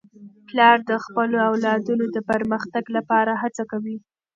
پلار د خپلو اولادونو د پرمختګ لپاره هڅه کوي.